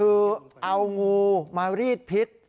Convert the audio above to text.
คือเอางูมารีดพิษ